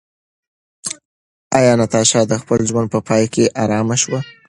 ایا ناتاشا د خپل ژوند په پای کې ارامه شوه؟